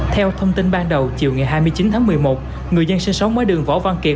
theo thông tin ban đầu chiều ngày hai mươi chín tháng một mươi một người dân sinh sống với đường võ văn kiệt